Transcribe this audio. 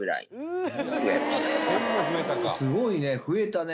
すごいね増えたね。